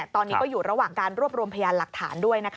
ตอนนี้ก็อยู่ระหว่างการรวบรวมพยานหลักฐานด้วย